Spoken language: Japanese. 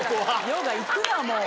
ヨガ行くなもう。